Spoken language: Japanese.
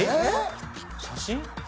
写真？